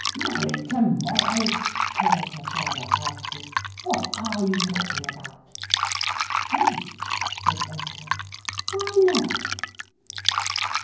"Married tomorrow!" cried her father harshly. "What are you talking about." "Yes," said Ursula. "Why not?"